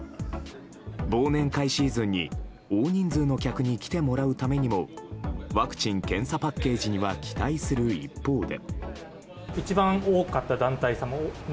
忘年会シーズンに大人数の客に来てもらうためにもワクチン・検査パッケージには期待する一方で。